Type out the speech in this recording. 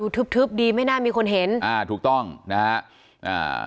ทึบทึบดีไม่น่ามีคนเห็นอ่าถูกต้องนะฮะอ่า